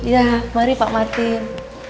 ya mari pak martin